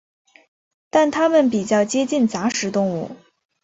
但它们比较接近杂食动物。